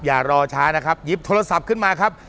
อย่ารอช้านะครับหยิบโทรศัพท์ขึ้นมาครับ